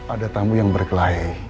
ada tamu yang berkelahi